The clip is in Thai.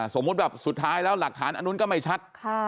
สมมุติแบบสุดท้ายแล้วหลักฐานอันนู้นก็ไม่ชัด